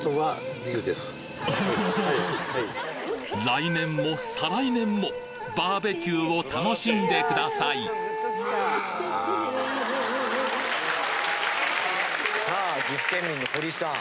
来年も再来年もバーベキューを楽しんでくださいさあ岐阜県民の堀さん。